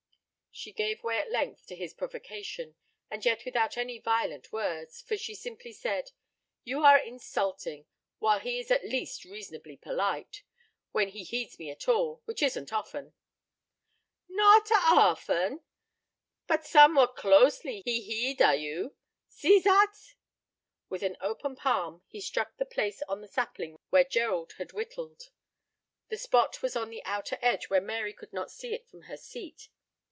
She gave way at length to his provocation, and yet without any violent words, for she simply said: "You are insulting, while he is at least reasonably polite when he heeds me at all, which isn't often." "Not a often? But some what closely he heed a you. See zat." With an open palm he struck the place on the sapling where Gerald had whittled. The spot was on the outer edge, where Mary could not see it from her seat.